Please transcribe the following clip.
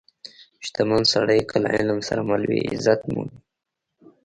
• شتمن سړی که له علم سره مل وي، عزت مومي.